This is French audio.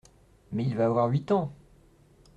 Mais il va avoir huit ans…